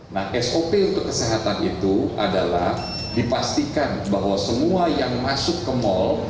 nah sop untuk kesehatan itu adalah dipastikan bahwa semua yang masuk ke mal